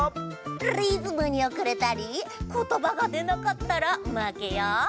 リズムにおくれたりことばがでなかったらまけよ。